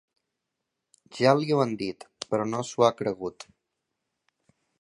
Ja li ho han dit, però no s'ho ha cregut.